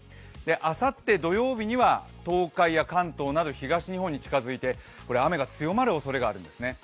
あさって土曜日には東海や関東など東日本に近づいて、雨が強まるおそれがあるんですね。